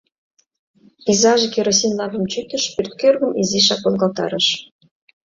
Изаже керосин лампым чӱктыш, пӧрткӧргым изишак волгалтарыш.